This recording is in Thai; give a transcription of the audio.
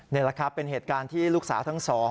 นี่แหละครับเป็นเหตุการณ์ที่ลูกสาวทั้งสอง